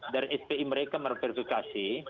dari spi mereka menerima verifikasi